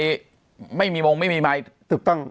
เพราะฉะนั้นประชาธิปไตยเนี่ยคือการยอมรับความเห็นที่แตกต่าง